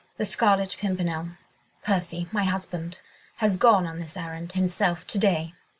The Scarlet Pimpernel—Percy, my husband—has gone on this errand himself to day.